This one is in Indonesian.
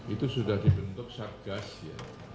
itu sudah dibentuk satgas ya